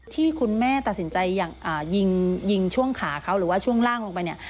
ที่คุณแม่ตัดสินใจอย่างยิงช่วงขาเขาหรือว่าช่วงล่างลงไปเนี่ย